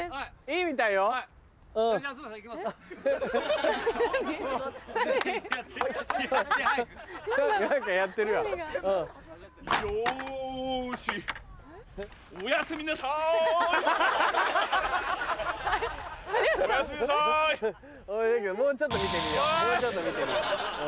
いいけどもうちょっと見てみよう。